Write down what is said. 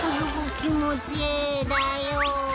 気持ちええだよ。